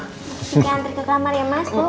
sini andri ke kamar ya mas